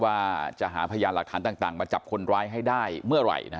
ว่าจะหาพยานหลักฐานต่างมาจับคนร้ายให้ได้เมื่อไหร่